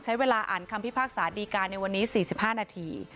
ใช้เวลาอ่านคำพิพากษาดีการในวันนี้๔๕นาที